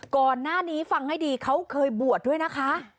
ก่อนหน้านี้ฟังให้ดีเขาเคยบวชด้วยนะคะ